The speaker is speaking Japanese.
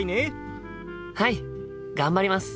はい頑張ります！